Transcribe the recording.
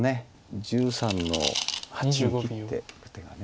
１３の八を切っていく手が。